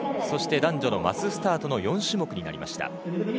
そして男女のマススタートの４種目になりました。